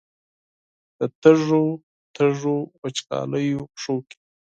د تږو، تږو، وچکالیو پښو کې